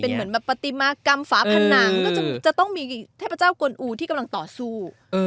เป็นเหมือนปฏิมกรรมฝาพนังก็จะต้องมีเทพเจ้ากลูที่กำลังต่อสู้